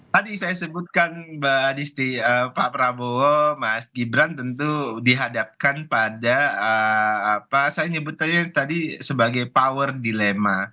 tadi saya sebutkan pak prabowo mas gibran tentu dihadapkan pada apa saya sebut tadi sebagai power dilemma